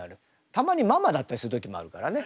たまにママだったりする時もあるからね。